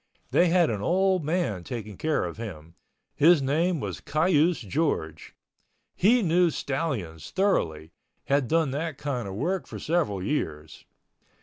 They had an old man taking care of him. His name was Cayouse George. He knew stallions thoroughly, had done that kind of work for several years.